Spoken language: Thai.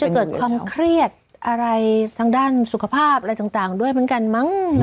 เกิดความเครียดอะไรทางด้านสุขภาพอะไรต่างด้วยเหมือนกันมั้ง